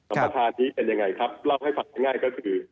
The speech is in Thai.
ประธานนี้เป็นยังไงครับเล่าให้ฟังง่ายก็คือ